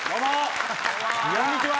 こんにちは。